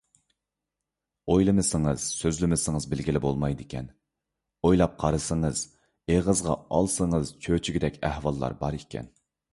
ئويلىمىسىڭىز، سۆزلىمىسىڭىز بىلگىلى بولمايدىكەن، ئويلاپ قارىسىڭىز، ئېغىزغا ئالسىڭىز چۆچۈگىدەك ئەھۋاللار بار ئىكەن.